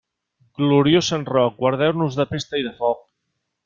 Gloriós Sant Roc, guardeu-nos de pesta i de foc.